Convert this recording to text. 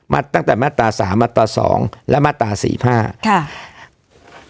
มาตั้งแต่มาตรา๓มาตรา๒และมาตรา๔มาตรา๕